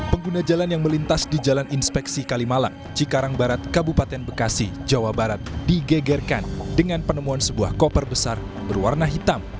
pengguna jalan yang melintas di jalan inspeksi kalimalang cikarang barat kabupaten bekasi jawa barat digegerkan dengan penemuan sebuah koper besar berwarna hitam